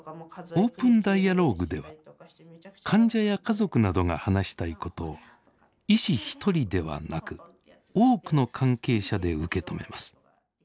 オープンダイアローグでは患者や家族などが話したいことを医師１人ではなく多くの関係者で受け止めます。